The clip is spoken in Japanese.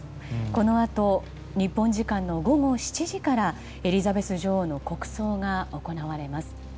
このあと日本時間の午後７時からエリザベス女王の国葬が行われます。